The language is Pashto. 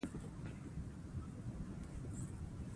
او دومره يې ښکلي جوړوي.